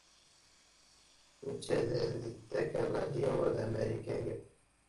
Netta d akanadi, ur d amarikani.